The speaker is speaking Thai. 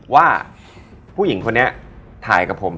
ว่าผู้หญิงคนนี้ถ่ายกับผม